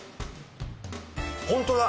ホントだ！